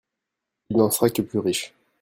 Il n'en sera que plus riche.